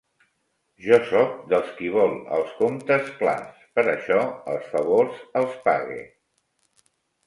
Jo sóc dels qui vol els comptes clars, per això els favors els pague.